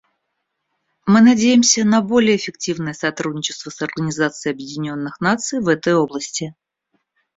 Мы надеемся на более эффективное сотрудничество с Организацией Объединенных Наций в этой области.